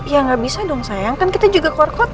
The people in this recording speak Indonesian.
ya nggak bisa dong sayang kan kita juga keluar kota